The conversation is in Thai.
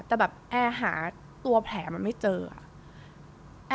แต่แบบแอร์หาตัวแผลมันไม่เจออะ